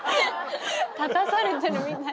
立たされてるみたい。